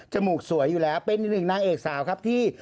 มูกสวยอยู่แล้วเป็นอีกหนึ่งนางเอกสาวครับที่